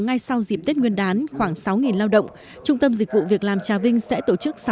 ngay sau dịp tết nguyên đán khoảng sáu lao động trung tâm dịch vụ việc làm trà vinh sẽ tổ chức